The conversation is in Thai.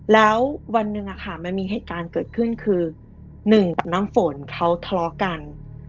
แล้ววันหนึ่งมันมีเหตุการณ์เกิดขึ้นคือหนึ่งกับน้ำฝนเขาทะเลาะกัน